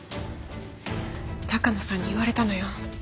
鷹野さんに言われたのよ。